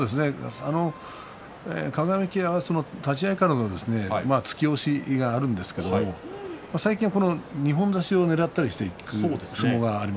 輝は立ち合いからの突き押しがあるんですが最近は二本差しをねらったりしていますね。